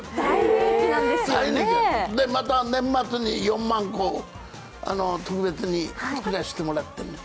大人気、また年末に４万個特別に作らせてもらって。